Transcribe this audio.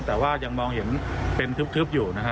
แต่ว่ายังมองเห็นเป็นทึบอยู่นะฮะ